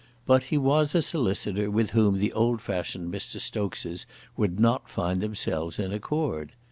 But he was a solicitor with whom the old fashioned Mr. Stokes's would not find themselves in accord.